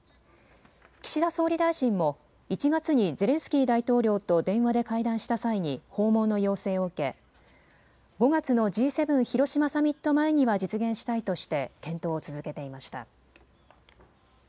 岸田総理大臣も１月にゼレンスキー大統領と電話で会談した際に訪問の要請を受け５月のＧ７広島サミット前には実現したいとして検討を続けていました。